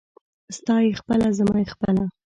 ستا يې خپله ، زما يې خپله.